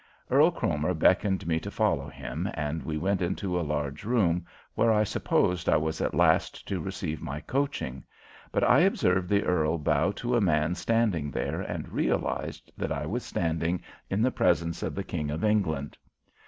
Earl Cromer beckoned me to follow him, and we went into a large room, where I supposed I was at last to receive my coaching, but I observed the earl bow to a man standing there and realized that I was standing in the presence of the King of England.